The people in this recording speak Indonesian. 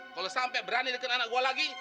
kalau sampai berani deket anak gua lagi